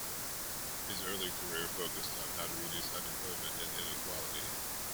His early career focused on how to reduce unemployment and inequality.